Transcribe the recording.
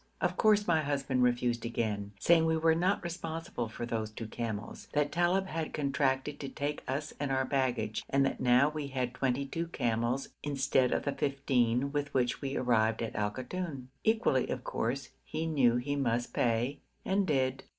Of course my husband refused again, saying we were not responsible for those two camels; that Talib had contracted to take us and our baggage, and that now we had twenty two camels instead of the fifteen with which we arrived at Al Koton. Equally, of course, he knew he must pay, and did.